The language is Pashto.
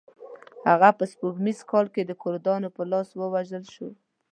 هغه په سپوږمیز کال کې د کردانو په لاس ووژل شو.